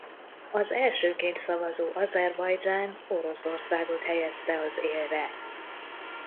Az elsőként szavazó Azerbajdzsán Oroszországot helyezte az élre.